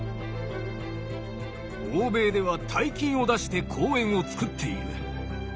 「欧米では大金を出して公園を作っている」。